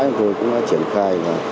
chúng tôi cũng đã triển khai